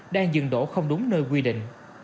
đang dừng đổ không đúng nơi quy định